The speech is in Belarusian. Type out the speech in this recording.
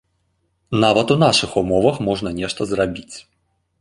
Нават у нашых умовах можна нешта зрабіць.